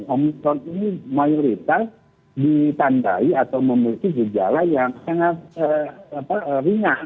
omikron ini mayoritas ditandai atau memiliki gejala yang sangat ringan